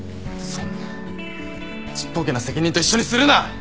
そんなちっぽけな責任と一緒にするな！